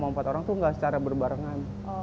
jadi tuh tiga atau empat orang tuh nggak secara berbarengan